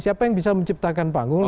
siapa yang bisa menciptakan panggung